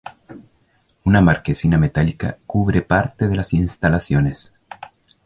Una marquesina metálica cubre parte de las instalaciones.